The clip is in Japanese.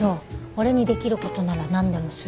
俺にできることなら何でもするよ。